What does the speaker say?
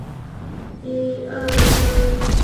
列为武汉市优秀历史建筑。